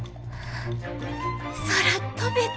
空飛べた！